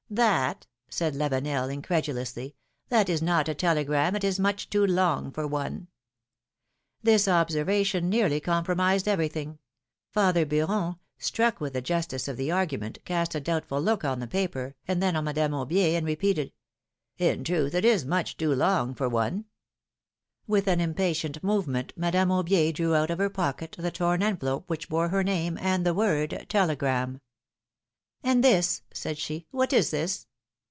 ^^That?" said Lavenel, incredulously, ^Ghat is not a telegram : it is much too long for one !" This observation nearly compromised everything : father Beuron, struck with the justice of the argument, cast a doubtful look on the paper, and then on Madame Aubier, and repeated : ^^In truth, it is much too long for one I" 306 philomI:ne's marriages. With an impatient movement Madame Aiibier drew out of her pocket the torn envelope which bore her name and the word Telegram. ^^And this/^ said she, ^^what is this?